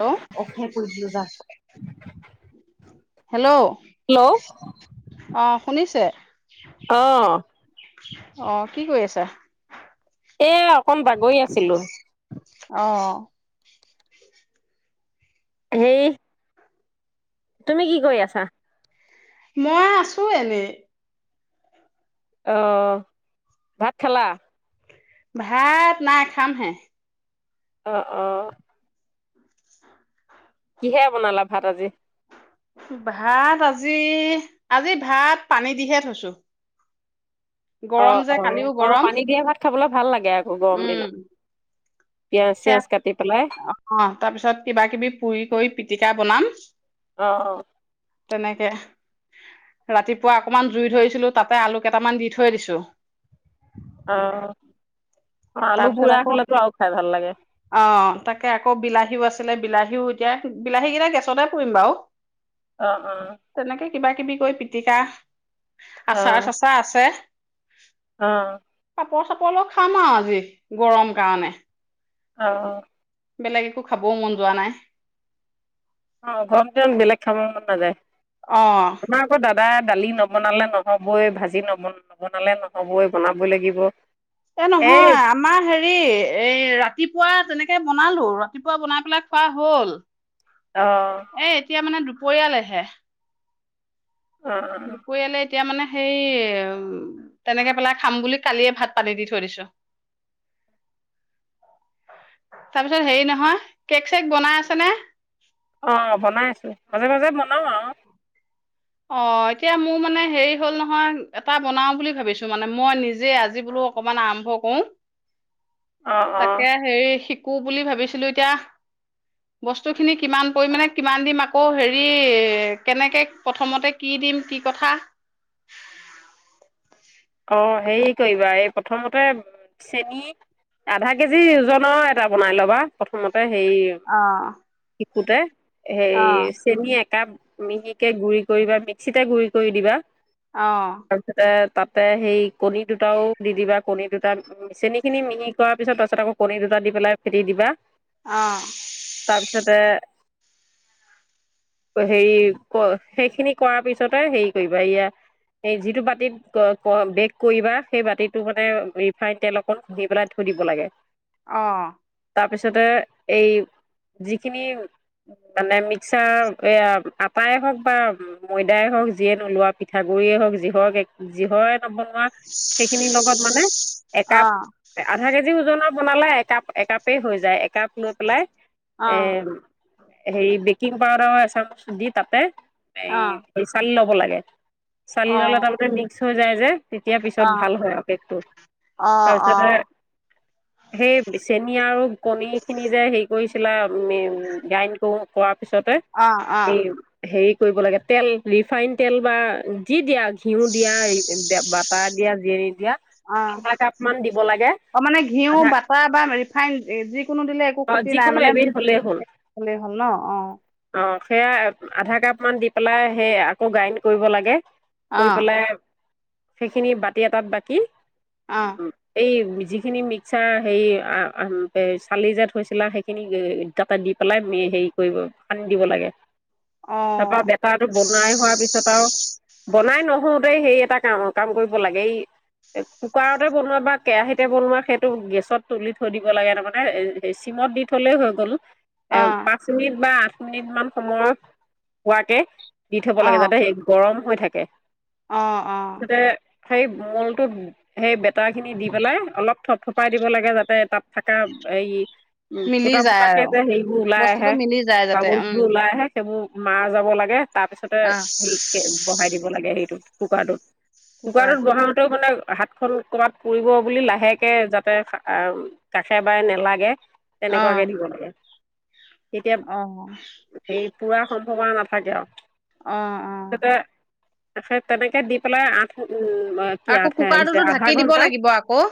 Hello অে পজ hello hello অ শুনিছে আহ অ কি কৰি আছা এ অকন বাগৰি আছিলো অ সেই তুমি কি কৰি আছা মই আছো এনেই আহ ভাত খালা ভাত নাই খামহে অ অ উ কিহে বনালা ভাত আজি ভাত আজি আজি ভাত পানী দিহে থৈছো অ গৰম অ যে কালিও অ গৰম পানী দিয়া ভাত খাবলৈ ভাল লাগে আকৌ গৰম দিনত উম পিয়াজ সেয়া চিয়াজ কাটি পেলাই আহ তাৰপিছত কিবা কিবি পুৰি কৰি পিটিকা বনাম অ অ তেনেকে ৰাতিপুৱা অকমান জুই ধৰিছিলো তাতে আলু কেইটামান দি থৈ দিছো অ অ আলু তাৰপিছত পুৰা আকৌ হলেতো আৰু খাই ভাল লাগে অ তাকে আকৌ বিলাহীও আছে আছিলে বিলাহীও এতিয়া বিলাহী কেইটা গেছতে পৰিুৰিম বাৰু আহ অ তেনেকে কিবা কিবি কৈ পিটিকা আচাৰ চচা আছে আহ চৰ চাপৰলৰ খামাজ আজি গৰম কাৰণে অ বেলেগ একো খাবও মন যোৱা নাই অ গমন বিলে ক্ষমা ন দেে আহ দাদা দালি নবনালে নহবই ভাজি নব নবনালে নহবই বনাবই লাগিব এ নহয় আমাৰ হেৰি এই ৰাতি ৰাতিপুৱা তেনেকে বনালো ৰাতিপুৱা বনাই পেলাই খোৱা হল অ এ এতিয়া মানে দু বয়ালেহে অ অ উপলে [unintelligible] এতিয়া মানে সেই উ তেনেকে পেলাই খাম বুলি কালিয়ে ভাত পাতি দি থৈ দিছো, তাৰপিছত হেৰি নহয় কেক চেক বনাই আছেনে? অ বনাই আছো মাজে মাজে বনাও আৰু- অ এতিয়া মোৰ মানে হেৰি হ'ল নহয় এটা বনাও বুলি ভাবিছো মানে মই নিজে আজি বোলো অকমান আৰম্ভ কৰো। অ অ তাকে হেৰি শি - শিকো বুলি ভাবিছিলো এতিয়া বস্তু খিনি কিমান পৰিমানে কিমান দিম আকৌ হেৰি কেনেকে- প্ৰথমতে কি দিম কি কথা। অঁ হেৰি কৰিবা এই প্ৰথমতে চেনি আধা কেজি ওজনৰ এটা বনাই ল'বা প্ৰথমতে- সেই- অ', কেক - অ'। সেই চেনি - কাপ মিহিকে গুৰি কৰিবা মিক্সিতে গুৰি কৰি দিবা- অ', তাৰ পিছত এ- তাতে সেই কণী দুটাও দি দিবা কণী দুটা চেনিখিনি মিহি কৰাৰ পিছত তাৰপিছত আকৌ কণী দুটা দি পেলাই ফেটি দিবা। অ', তাৰপিছতে- হেৰি ক সেইখিনি কৰাৰ পিছতে হেৰি কৰিবা এয়া এই যিটো বাতিত- বেক কৰিবা সেই বাতিটো মানে ৰিফাইন তেল অকণ ঘুহি পেলাই থৈ দিব লাগে। অ। তাৰপিছতে এই যিখিনি মানে মিক্সাৰ এই আটায় হওক বা ময়দাই হওক যিয়ে নোলোৱা পিঠাগুড়িয়েই হওক যি হওক- যিহয় - বনোৱা সেইখিনিৰ লগত মানে একাপ- আধা কেজি ওজনৰ বনালে একাপ একাপেই হৈ যায় একাপ লৈ পেলাই- অ', এ অ', হেৰি বেকিং- পাউদাৰ এচাম দি তাতে অ', এই চালি লব - লাগে। চালি ললে অ', - মিক্স হৈ যায় যে তেতিয়া পিছত ভাল হয় আৰু কেকটো অ', তাৰপিছতে- সেই চেন আৰু কণী খিনি যে হেৰি কৰিছিলা উম গ্ৰাইণ্ড কৰো- কৰাৰ পিছতে এই অ', হেৰি- কৰিব লাগে তেল ৰিফাইন তেল বা যি দিয়া- ঘিউ দিয়া বাটাৰ দিয়া নিদিয়া অ', আধা কাপ মান দিব লাগে মানে ঘিউ আধা বাটাৰ বা ৰিফাইন যিকোনো দিলে একো অ ক্ষতি নাই যিকোনো মানে এবিধ হলেই হ'ল হ'লেই হ'ল ন অ', অ। সেয়া আধা কাপ মান দি পেলাই সেই আকৌ গ্ৰাইণ্ড কৰিব লাগে। গৈ অ', পেলাই- সেইখিনি বাতি এটাত বাকী- অ', এই- যিখিনি মিক্সাৰ হেৰি চালি যোত হৈছিলা সেইখিনি তাতে দি পেলাই হেৰি কৰিব সান্ি দিব লাগে তাৰপা অ'। বেেতটো বনাই হোৱাৰ পিছত আৰু বনাই নহোওতে সেই এটা কাম কাম কৰিব লাগে এই কুকাৰতে বনোৱা বা কেৰাহিতে বনোৱা সেইটো গেছত তুলি থৈ দিব লাগে তাৰমানে চিমত দি থলেই হৈ গ'ল অ', পাঁচ মিনিট বা আঠ পচ মিনিট মান সময় হোৱাকে দি থ'ব লাগে যাতে গৰম হৈৈ থাকে আহ আহ তাতে সেই মূলটো সেই বেেত খিনি দি পেলাই অলপ থপথপাই দিব লাগে যাতে তাত থকা এই উ মিলি ফুটা যায় পুতাকে আৰু যে হেৰিবোৰ ওলাই বস্তুটো আহে মিলি যায় যাতে উম গাগলবোৰ ওলাই আহে সেইবোৰ মাৰ যাব লাগে তাৰ পিছতে আহ হে বহাই এইটোত কুোকটোত কুকাৰত কুকাৰটোত বহামতে মানে হাতখন ক'ৰবাত পুৰিব বুলি লাহেকে যাতে কাষে বাই নেলাগে অ তেনেকুৱাকে দিব লাগে তেতিয়া অ হে পুৰা সম্ভৱনা নাপাকে আৰু আহ আহ তত তেনেকে দি পেলাই আঠ উ আকৌ কুকাৰটোতো ঢাকি দিব লাগিব আকৌ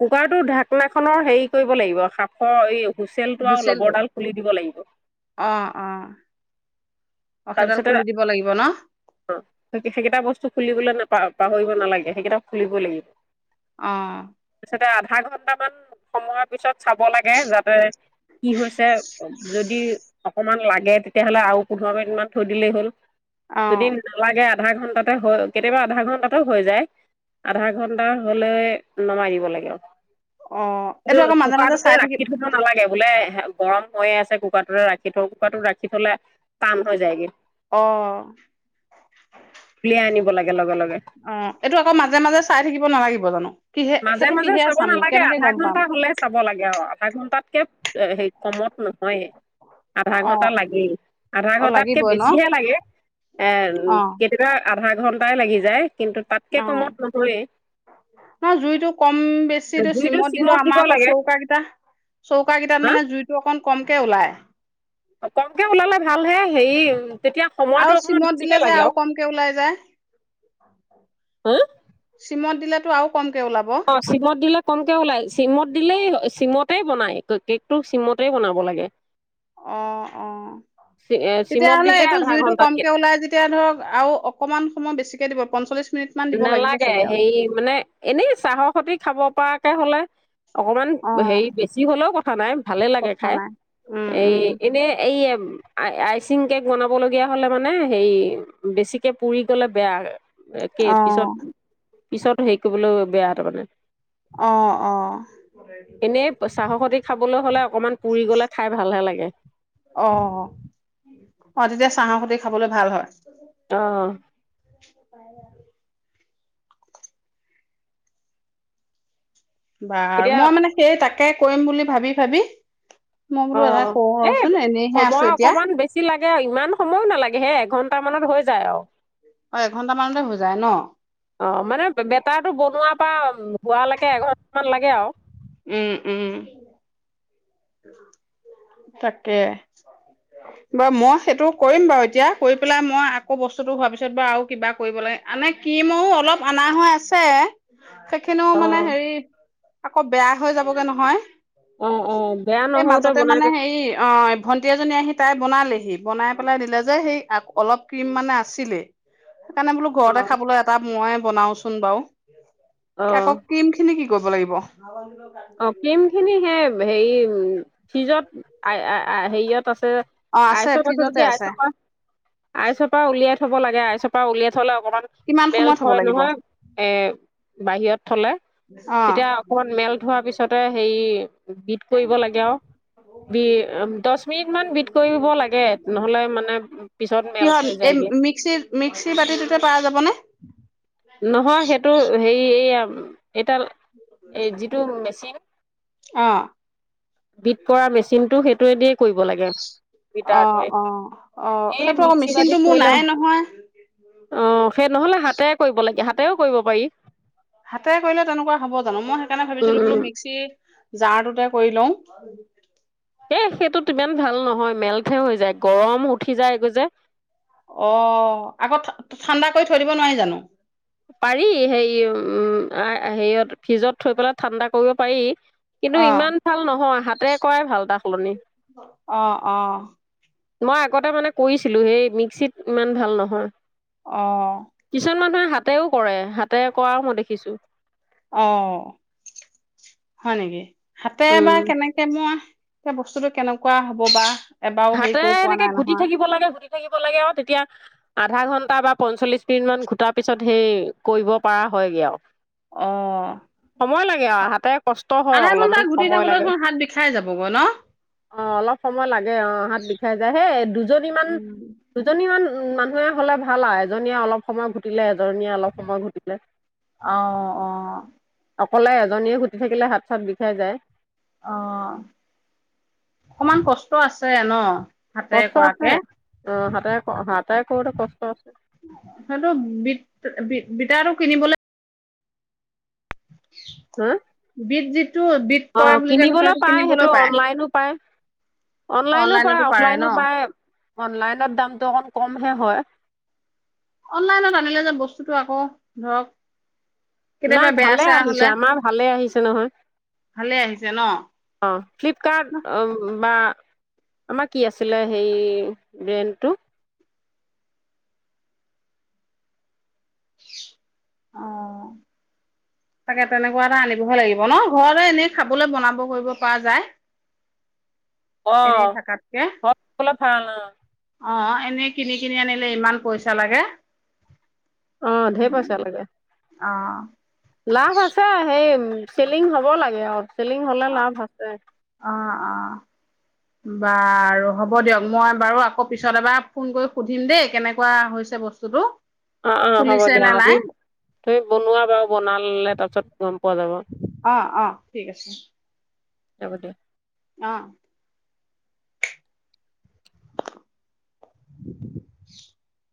কুকাৰতো ঢাকনাাখনৰ হেৰি কৰিব লাগিব শষৰ এই হুইচেলটো আৰু হোচেলটো লবৰডাল খুলি দিব লাগিব অ অ অ সেইডাল তাৰপিছতে খুলি দিব লাগিব ন সেইকেইটা বস্তু খুলিবলৈ নাপ পাহৰিব নালাগে সেইকেইটা খুলিব লাগিব অ তোতে আধা ঘন্টামান সময়ৰ পিছত চাব লাগে যাতে কি হৈছে যদি অকমান লাগে তেতিয়াহলে আৰু পোন্ধৰ মিনিট মান থৈ দিলেই হ'ল অ যদি নালাগে আধা ঘন্টাতে হৈ কেতিয়াবা আধা ঘন্টাতে হৈ যায় আধা ঘন্টা হলে নমাই দিব লাগে অ এইটো আকৌ মাজে মাজে কুকাটোতে চাই থাকিব ৰাখি থব নালাগে বোলে গৰম হৈয়ে আছে কুকাৰটোতে ৰাখি থওঁ কুকাৰটোত ৰাখি থলে টান হৈ যায়গৈ অ উলিয়াই আনিব লাগে লগে লগে অ এইটো আকৌ মাজে মাজে চাই থাকিব নালাগিব জানো কিহে মাজে সেইটো মাজে কিহে চাব চামনো নালাগে কেনেকে আধা গম পাম কে সে কমত নহয় আধা অ ঘন্টা লাগেই আধা অ ঘন্টাতকে লাগিবই ন বেছিহে লাগে এ উ অ কেইতিকা আধা ঘণ্টাই লাগি যায় কিন্তু তাতকে অ কমত নহয়েই ন জুইতটো কম বেছি জুইটো চিমত দিলো দিব আমাৰ আকৌ লাগে চৌকাগেইটা চৌক কেইটাত মানে জুইতটো অকন কমকে ওলাই অ কমকে ওলালে ভালহে সেই আৰু চিমত দিলে যে আৰু কমকে ওলাই যায় হা চিমত দিলাতো আৰু কম অ চিমত দিলে কমকে ওলাই চিমত দিলেই চিমতে বনাই কেকটো চিমতেই বনাব লাগে অ অ এ চিমত তেতিয়াাহলে দিলে এইটো আধা জুইতটো ঘন্টাতকে কমকে ওলাই যেতিয়া ধৰক আৰু অকমান সময় বেছিক কে দ পঞ্চলিছ নালাগে হে মানে এনেই চাহৰ সতি খাব পৰাকে হলে অকমান অ হেৰি বেছি হলেও কথা খ নাই ভালে লাগে কথা খাই নাই উম এই উম এনেই এই আ আইচিং কেক বনাব লগগীয়া হলে মানে হে বেছিকে পুৰি গলে বেয়া এ কে অ পছত পিছত হেৰি কৰিবলৈ বেয়া তাৰ মানে আহ আহ কবলৈ হলে অকণমান পুৰি গলে খাই ভালহে লাগে অ অ তেতিয়া চাহৰ সৈতে খাবলৈ ভাল হয় অহ পাই লাগে বাৰু এতিয়া মই মানে সেই তাক ট্ৰায় কৰিম বুলি ভাবি ভাবি মই অ বোলো এটা কৰো এ ৰচোন এনেইহে আছো সময় এতিয়া অকমান বেছি লাগে ইমান সময়ো নালাগে হে এঘন্টা টা মানত হৈ যায় আৰু অ এঘন্টা মানতে হৈ যায় ন। অ মানে বেটাৰটো বনোৱা পাম হোৱালৈকে এঘন্টা মান লাগে [unintelligible] উম, উম। তাকে। বাৰু মই সেইটো কৰিম বাৰু এতিয়া কৰি পেলাই মই আকৌ বস্তুটো ভাবিছো বাৰু আৰু কিবা কৰিব লাগে এনে ক্ৰীমৰো অলপ অনা হৈ আছে। সেইখিনিও অ মানে হেৰি আকৌ বেয়া হৈ যাবগে নহয়। অ, অ, বেয়া এ নহওঁতে মাজতে বনাই মানে পেল হেৰি অ, ভন্টি এজনী আহি তাই বনালেহি, বনাই পেলাই দিলে যে সেই আক অলপ ক্ৰীম মানে আছিলে। সেইকাৰণে বোলো অ ঘৰতে খাবলৈ এটা মই বনাওচোন বাৰু। অ আকৌ ক্ৰীম খিনি কি ল'ব লাগিব। অ, ক্ৰীম খিনি সেই হেৰি উম। ফ্ৰিজত, আই আ আই হেৰিয়ত আছে, আইচত আছে যদি আইচৰ ল আইচৰ পৰা উলিয়াই থ'ব লাগে আইচৰ পৰা উলিয়াই থ'লে অকমান কিমান সময়ত হ'ব [unintelligible] লাগিব? নহয় এ বাহিৰত থ'লে, অঁ তেতিয়া অকমান মেল থোৱাৰ পিছতে হেৰি, বিট কৰিব লাগে আৰু, বি দচ মিনিট মান বিট কৰিব লাগে নহলে মানে পিছত কিহত মেল্ট হৈ এই যায়গে। মিক্সিত মিক্সি বাতিটোতে পাৰা যাবনে? নহয় সেইটো হেই [unintelligible] এডাল এ যিটো মেচিন অঁ বিট কৰা মেচিনটো সেই [unintelligible] অ, অ, অ, এই সেইটো আকৌ মিক্সি মেচিনতটো মোৰ নাইয়ে নহয়। অ, সেই ন'হলে হাতে কৰিব লাগে, হাতেৰেও কৰিব পাৰি। হাতেৰে কৰিলে তেনেকুৱা হ'ব জানো মই সেইকাৰণে ভাবিছিলো বোলে উম, মিক্সি জাৰ ততো কৰি লওঁ। এ সেইটো ইমান ভাল নহয় মেল্টহে হৈ যায়, গৰম উঠি যায়গৈ যে। অ', আকৌ ঠাণ্ডা কৰি থৈ দিব নোৱাৰি জানো। পাৰি হেৰি, উম, অ, হেৰিয়ত ফ্ৰিজত থৈ পেলাই ঠাণ্ডা কৰিব পাৰি। কিন্তু অঁ ইমান ভাল নহয় হাতেৰে কৰায়েই ভাল তাৰ সলনি। অঁ অঁ মই আগতে মানে কৰিছিলো সেই মিক্সিত ইমান ভাল নহয় অ কিছুমান মানুহে হাতেও কৰে হাতে কৰাও মই দেখিছো অ হয় নেকি হাতে উম বাাৰ কেনেকে মোৱা এতিয়া বস্তুটো কেনেকুৱা হব বা এবাৰো হেৰি হাতে কৰি পোৱা এনেকে নাই ঘুটি নহয়। থাকিব লাগে থাকিব লাগে আৰু তেতিয়া আধা ঘন্টা বা পঞ্চল্লিশ মিনিট মান ঘোটাৰ পিছত সেই কৰিব পৰা হয়গে আৰু অ সময় লাগে আৰু হাতে কষ্ট হয় আধা ঘন্টা অলপমান ঘুটি সময় লাগে। থাকোলৈোন হাত বিষাই যাবগৈ ন অ অলপ সময় লাগে অ হাত বিষাই যায় হেই দুজনীমানান উম, দুজনীমান উম মানুহে হলে ভাল আৰু এজনীয়ে অলপ সময় ঘুটিলে এ ীয়ে অলপ সময় ঘটিলে অ', অ', সলে এজনীয়ে গুটি থাকিলে হাত চাত বিষাই যায় অ অকমান কষ্ট আছে ন হাতে কষ্ট আছে কৰাকে আহ হাতাই হতোই কৰোতে কষ্ট আছে এতি আৰু কিনিবলৈ হা বিদ্যুৎ অ কিনিবলৈ পায় সেইটো অনলাইনো পায় অনলাইনো পায় অনলাইনতো পাৰে ন? অফলাইনো পায় অনলাইনত দামটো অকণ কমহে হয় অনলাইনত আনিলে যে বস্তুটো আকৌ ধৰক কেতিয়াবা নাই বেয়া ভালে চেয়া আহিছে হলে আমাৰ ভালে আহিছে নহয় ভালে আহিছে ন? অ ফ্লিপকাৰ্ট বা আমাৰ কি আছিলে সেই ব্ৰেণ্টো অ তাকে তেনেকুৱা এটা আনিবহে লাগিব ন ঘৰতে এনে খাবলৈ বনাব কৰিব পৰা যায় অ এনেই থাকাতকে বল হা অ এনেই কিনি কিনি আনিলে ইমান পইচা লাগে অ ঢেৰ উম, পইচা লাগে অ', লাভ আছে সেই চেলিং হব লাগে আৰু চেলিং হ'লে লাভ আছে অ', অ'। বাৰু হ'ব দিয়ক মই বাৰু আকৌ পিছত এবাৰ ফোন কৰি সুধিম দেই কেনেকুৱা হৈছে বস্তুটো অ অ হ'ব ফুলিছে দিয়া নে আমি নাই তু বনোৱা বাৰু বনালে তাৰপিছত গম পোৱা যাব অ অ ঠিক আছে এব দিয় অ [unintelligible]